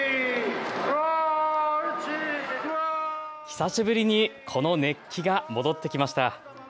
久しぶりにこの熱気が戻ってきました。